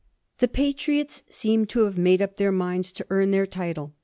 The Patriots seem to have made up their minds to earn their title.